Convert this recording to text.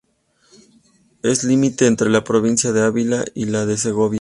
Es límite entre la provincia de Ávila y la de Segovia.